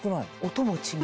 音も違う。